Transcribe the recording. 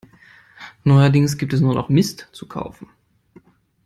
Neuerdings gibt es nur noch Mist zu kaufen.